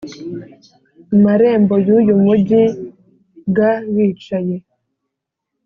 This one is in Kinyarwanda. Marembo y uyu mugi g bicaye